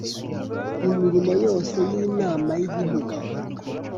imirimo yose y’Inama y’igihugu